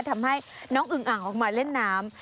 ทำให้น้องอึงอ่างออกมาเล่นน้ำ